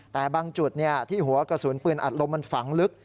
แต่บางจุดที่หัวกระสุนปืนอัดลมมันฝังลึก